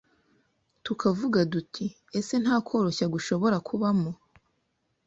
Tukavuga duti ese nta koroshya gushobora kubamo